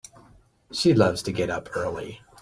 She loves to get up early.